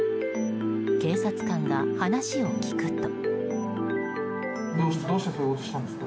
警察官が話を聞くと。